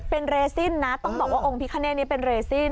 เป็นเรซินนะต้องบอกว่าองค์พิคเนตนี้เป็นเรซิน